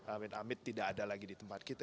amit amit tidak ada lagi di tempat kita